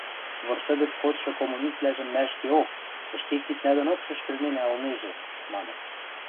– Вырсы гӹц кодшы коммуниствлӓжым мӓ ӹшкеок, ӹшке кидна донок шӹшкӹлненӓ ылнежӹ! – маныт.